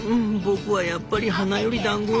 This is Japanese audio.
僕はやっぱり花よりだんご。